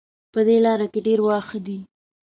په دې لاره کې ډېر واښه دي